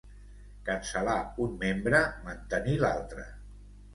Cancel·lar un membre, mantenir l'altre.